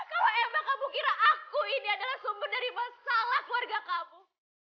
kalau emang kamu kira aku ini adalah sumber dari masalah keluarga kamu